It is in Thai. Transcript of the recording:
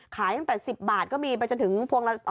ขายตั้ง๑๐บาทก็มีจะถึงพวงละ๒๐๐